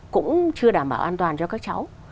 cũng chưa đảm bảo an toàn cho các cháu